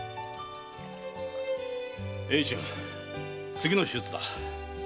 英春次の手術だ。